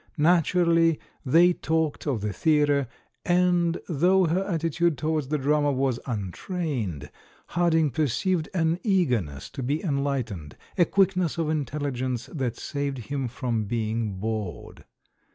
Naturally they talked of the theatre, and though her attitude towards the drama was un trained, Harding perceived an eagerness to be enhghtened, a quickness of intelligence that saved him from being bored.